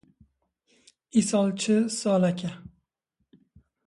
Îsal çi saleke